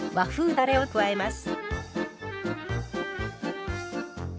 だれを加えます。